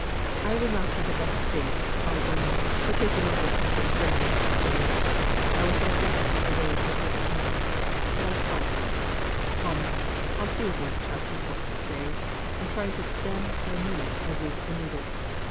I were not i' th' best state, I'll own, for taking in what Hamper's friend had to say I were so vexed at the way it were put to me; but I thought, 'Come, I'll see what these chaps has got to say, and try if it's them or me as is th' noodle.